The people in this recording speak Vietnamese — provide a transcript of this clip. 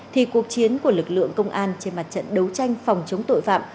thì cuộc chiến của lực lượng công an trên mặt trận đấu tranh phòng chống tội phạm